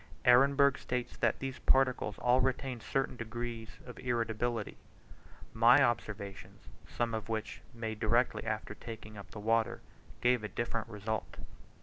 Ehrenberg states that these particles all retain a certain degree of irritability. My observations, some of which were made directly after taking up the water, gave a different result.